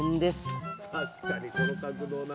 確かにこの角度な。